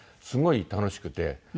すごい楽しくて。